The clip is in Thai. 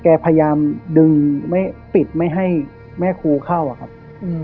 พยายามดึงไม่ปิดไม่ให้แม่ครูเข้าอะครับ